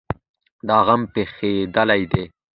دا غنم پخیدلي دي.